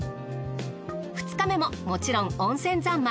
２日目ももちろん温泉三昧。